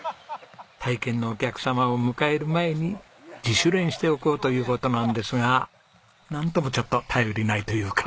体験のお客様を迎える前に自主練しておこうという事なんですがなんともちょっと頼りないというか。